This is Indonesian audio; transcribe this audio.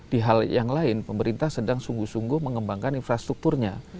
di hal yang lain pemerintah sedang sungguh sungguh mengembangkan infrastrukturnya